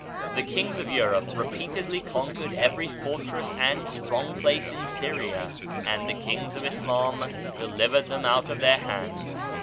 The kings of Europe repeatedly conquered every fortress and strong place in Syria; and the kings of Islam delivered them out of their hands.